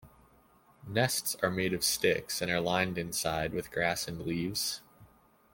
Nests are made of sticks and are lined inside with grass and leaves.